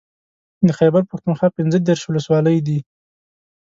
د خېبر پښتونخوا پنځه دېرش ولسوالۍ دي